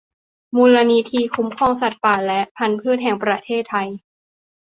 มูลนิธิคุ้มครองสัตว์ป่าและพรรณพืชแห่งประเทศไทย